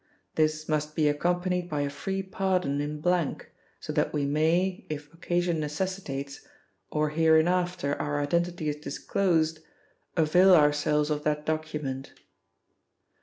This must be accompanied by a free pardon in blank, so that We may, if occasion necessitates, or hereinafter Our identity is disclosed, avail Ourselves of that document.'